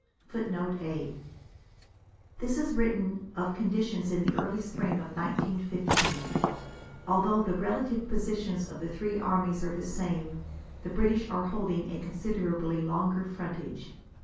[A] [Footnote A: This is written of conditions in the early spring of 1915. Although the relative positions of the three armies are the same, the British are holding a considerably longer frontage.